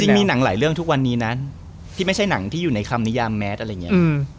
มีหนังหลายเรื่องทุกวันนี้นะที่ไม่ใช่หนังที่อยู่ในคำนิยามแมสอะไรอย่างนี้